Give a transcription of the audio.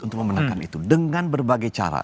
untuk memenangkan itu dengan berbagai cara